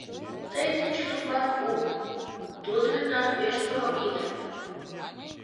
Тый лучо тудлан пу: тудо мемнан пеш поро ӱдыр.